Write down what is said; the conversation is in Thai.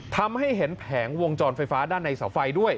ทำให้เห็นแผงวงจรไฟฟ้าด้านในเสาไฟด้วย